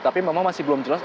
tapi memang masih belum jelas